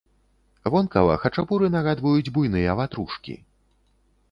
Вонкава хачапуры нагадваюць буйныя ватрушкі.